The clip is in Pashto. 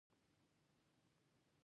سهار د خوږو بادونو سلام دی.